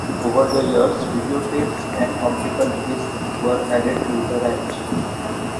Over the years, videotapes and optical discs were added to the range.